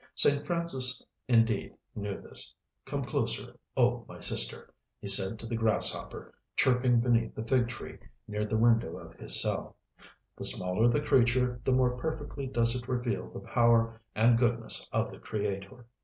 St. Francis indeed knew this: "Come closer, O my sister," he said to the grasshopper chirping beneath the fig tree near the window of his cell; "the smaller the creature the more perfectly does it reveal the power and goodness of the Creator."